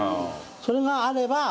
それがあればダメ。